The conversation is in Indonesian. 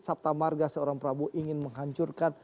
saptamarga seorang prabowo ingin menghancurkan